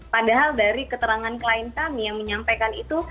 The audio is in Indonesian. padahal dari keterangan klien kami yang menyampaikan itu